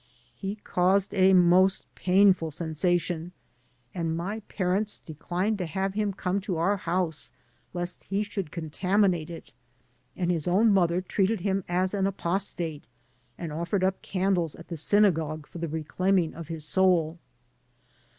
He caused a most painful sensation, and 161 AN AMERICAN IN THE MAKING my parents declined to have him come to our house lest he should contaminate it, and his own mother treated him as an apostate and offered up candles at the synagogue for the reclaiming of his soul.